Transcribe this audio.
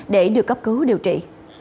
để được cấp cứu điều trị